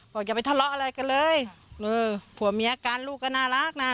อย่าไปทะเลาะอะไรกันเลยเออผัวเมียการลูกก็น่ารักนะ